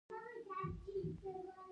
زردالو د افغان ځوانانو لپاره دلچسپي لري.